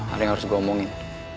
ada yang harus gue omongin